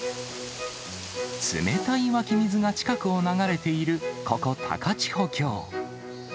冷たい湧き水が近くを流れている、ここ高千穂峡。